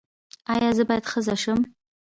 ایا زه باید ښځه شم؟